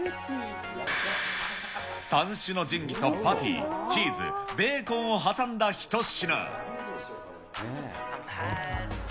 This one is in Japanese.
三種の神器とパティ、チーズ、ベーコンを挟んだ一品。